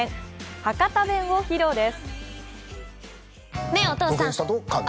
博多弁を披露です。